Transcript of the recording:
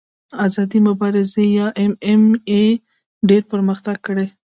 آزادې مبارزې یا ایم ایم اې ډېر پرمختګ کړی.